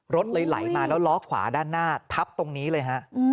รถเลยไหลมาแล้วล้อขวาด้านหน้าทับตรงนี้เลยฮะ